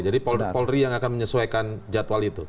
jadi polri yang akan menyesuaikan jadwal itu